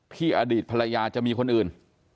อดีตภรรยาจะมีคนอื่น